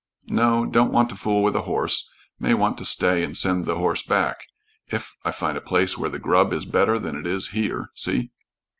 "No, don't want to fool with a horse may want to stay and send the horse back if I find a place where the grub is better than it is here. See?"